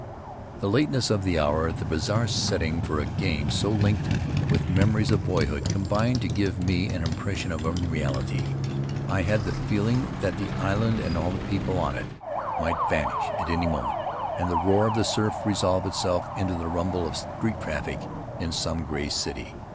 The lateness of the hour — the bizarre setting for a game so linked with memories of boyhood, combined to give me an impression of unreality. I had the feeling that the island and all the people on it might vanish at any moment, and the roar of the surf resolve itself into the rumble of street traffic in some gray city.